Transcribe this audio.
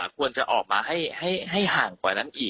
ควรจะออกมาให้ห่างกว่านั้นอีก